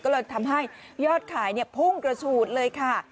ก็เลยทำให้ยอดขายพุ่งกระฉูดเลยค่ะ